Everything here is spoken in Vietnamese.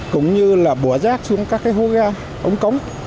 cũng như là bỏ rác xuống các cái hố gà ống cống